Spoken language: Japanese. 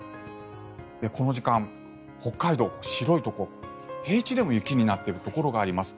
この時間、北海道白いところ平地でも雪になっているところがあります。